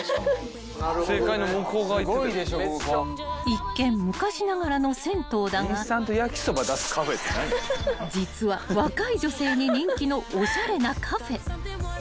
［一見昔ながらの銭湯だが実は若い女性に人気のおしゃれなカフェ］